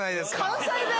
関西弁？